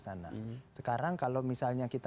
sana sekarang kalau misalnya kita